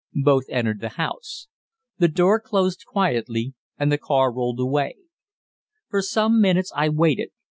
Both entered the house. The door closed quietly, and the car rolled away. For some minutes I waited.